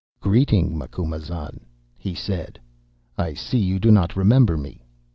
"'Greeting, Macumazahn,' he said, 'I see you do not remember me.